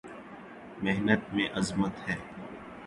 محنت میں عظمت ہے